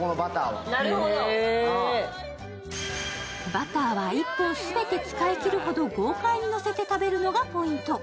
バターは１本全て使い切るほど豪快にのせて食べるのがポイント。